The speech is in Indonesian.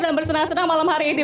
dan bersenang senang malam hari ini